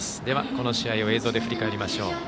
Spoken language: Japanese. では、この試合を映像で振り返りましょう。